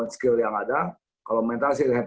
skill yang ada kalau mental